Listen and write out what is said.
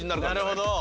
なるほど。